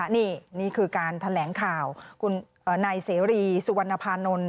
นี่นี่คือการแถลงข่าวคุณนายเสรีสุวรรณภานนท์